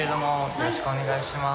よろしくお願いします。